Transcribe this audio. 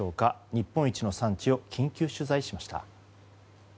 日本一の産地を緊急取材しました。